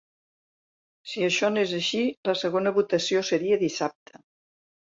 Si això anés així, la segona votació seria dissabte.